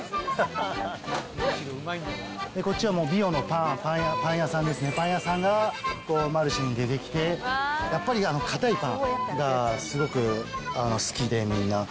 こっちはもうリヨンのパン屋さんですね、パン屋さんがマルシェに出てきて、やっぱり、かたいパンがすごく好きで、みんな。